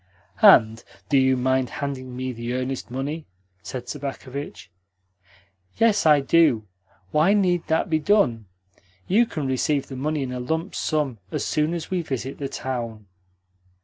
"And do you mind handing me the earnest money?" said Sobakevitch. "Yes, I do. Why need that be done? You can receive the money in a lump sum as soon as we visit the town."